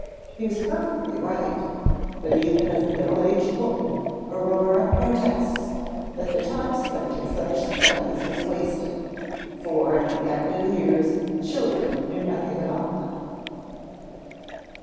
He was perfectly right, but even as a middle aged woman Aurore protests that the time spent in such studies was wasted, for at the end of years children knew nothing about them.